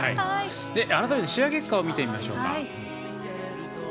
改めて試合結果を見てみましょう。